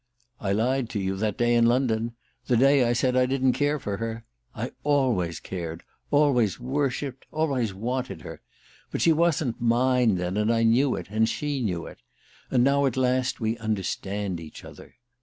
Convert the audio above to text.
"I lied to you that day in London the day I said I didn't care for her. I always cared always worshipped always wanted her. But she wasn't mine then, and I knew it, and she knew it ... and now at last we understand each other."